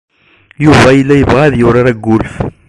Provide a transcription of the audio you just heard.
Yuba yella yebɣa ad yurar agulf.